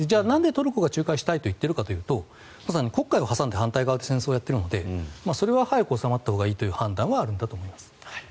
なんでトルコが仲介したいと言っているかといいますとまさに黒海を挟んで反対側で戦争をやっているのでそれは早く収まったほうがいいという判断はあるんだと思います。